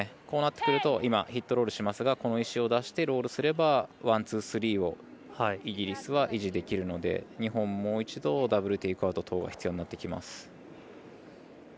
こうなってくるとヒットロールしますがこの石を出してロールすればワン、ツー、スリーをイギリスは維持できるので日本、もう一度ダブル・テイクアウトが必要になってきます。